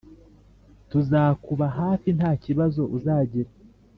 tuzakuba hafi ntakibazo uzagira